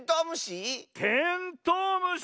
テントウムシ？